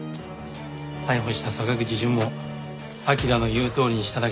逮捕した坂口淳も「彬の言うとおりにしただけ。